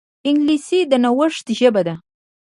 انګلیسي د نوښت ژبه ده